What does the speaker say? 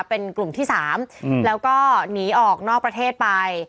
เป็นกลุ่มที่๓แล้วก็หนีออกนอกประเทศไป